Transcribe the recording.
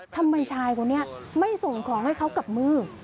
ทำไมชายคนนี้ไม่ส่งของให้เขากับมือ